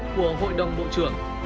của hội đồng bộ trưởng